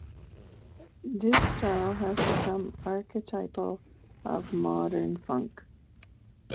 This style has become archetypal of modern funk.